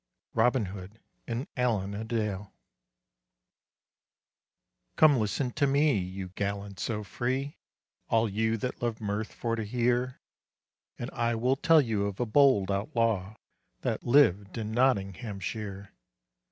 ROBIN HOOD AND ALLEN A DALE Come listen to me, you gallants so free, All you that love mirth for to hear, And I will tell you of a bold outlaw, That lived in Nottinghamshire.